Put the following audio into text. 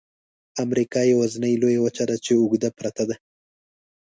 امریکا یوازني لویه وچه ده چې اوږده پرته ده.